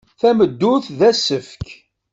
Tameddurt d asefk.